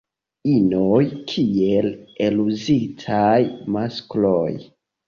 Inoj kiel eluzitaj maskloj.